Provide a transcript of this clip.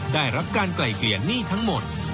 ได้รับการไกล่เกลี่ยหนี้ทั้งหมด